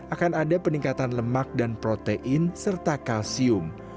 akan ada peningkatan lemak dan protein serta kalsium